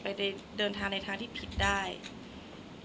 คนเราถ้าใช้ชีวิตมาจนถึงอายุขนาดนี้แล้วค่ะ